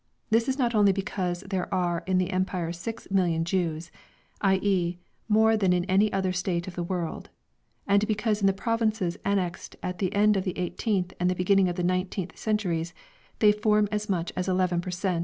This is not only because there are in the Empire six million Jews, i.e., more than in any other State in the world, and because in the provinces annexed at the end of the eighteenth and the beginning of the nineteenth centuries, they form as much as 11 per cent.